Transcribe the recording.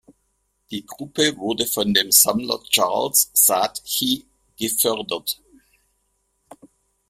Die Gruppe wurde von dem Sammler Charles Saatchi gefördert.